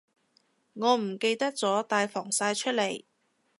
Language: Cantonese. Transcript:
我唔記得咗帶防曬出嚟